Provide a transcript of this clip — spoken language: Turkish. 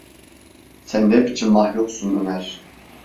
Sen ne biçim mahluksun Ömer?